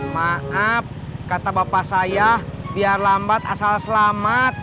maaf kata bapak saya biar lambat asal selamat